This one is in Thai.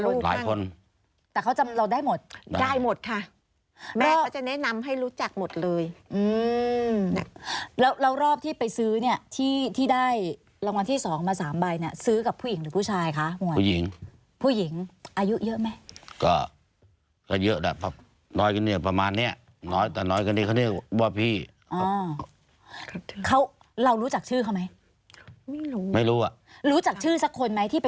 หลายคนแต่เขาจำเราได้หมดได้หมดค่ะแม่เขาจะแนะนำให้รู้จักหมดเลยอืมเนี่ยแล้วแล้วรอบที่ไปซื้อเนี่ยที่ที่ได้รางวัลที่สองมาสามใบเนี่ยซื้อกับผู้หญิงหรือผู้ชายคะผู้หญิงผู้หญิงอายุเยอะไหมก็ก็เยอะแหละครับน้อยกันเนี่ยประมาณเนี้ยน้อยแต่น้อยกว่านี้เขาเรียกว่าพี่อ๋อเขาเรารู้จักชื่อเขาไหมไม่รู้ไม่รู้อ่ะรู้จักชื่อสักคนไหมที่ไป